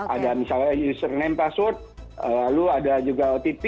ada misalnya username password lalu ada juga ott